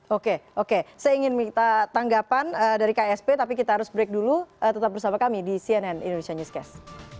oke oke saya ingin minta tanggapan dari ksp tapi kita harus break dulu tetap bersama kami di cnn indonesia newscast